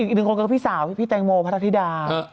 อีก๑คนน่ะก็พี่สาวพี่เตงโมพัฒนธิดา